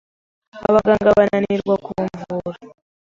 Abaganga bananirwa kumvura